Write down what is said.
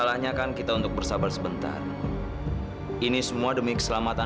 ternyata dewi betul betul nekat